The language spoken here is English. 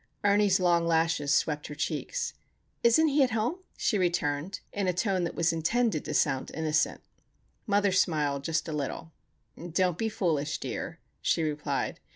Ernie's long lashes swept her cheeks. "Isn't he at home?" she returned, in a tone that was intended to sound innocent. Mother smiled, just a little. "Don't be foolish, dear," she replied.